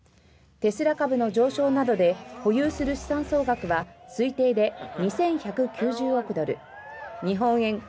テスラ株の上昇などで保有する資産総額は推定で２１９０億ドル日本円